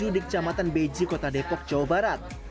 di kecamatan beji kota depok jawa barat